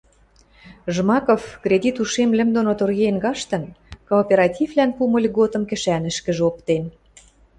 Жмаков кредит ушем лӹм доно торгеен каштын, кооперативлӓн пумы льготым кӹшӓнӹшкӹжӹ оптен».